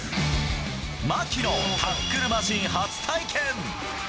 槙野、タックルマシーン初体験。